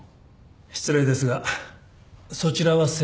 失礼ですがそちらは先日確か。